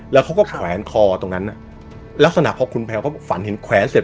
แล้วเขาก็แขวนคอตรงนั้นน่ะลักษณะเพราะคุณแพวโฟร์ฟันเห็นแขวนเสร็จ